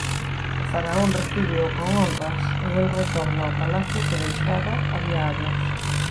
O faraón recíbeo con honras e el retorna ao palacio que deixara había anos.